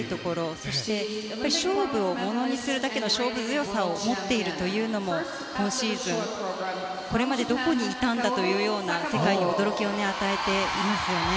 そして勝負をものにするだけの勝負強さを持っているというのも今シーズン、これまでどこにいたんだというような世界に驚きを与えていますよね。